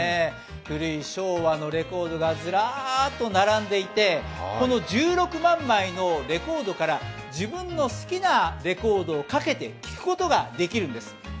古い昭和のレコードがずらーっと並んでいてこの１６万枚のレコードから自分の好きなレコードをかけて聴くことができるんです。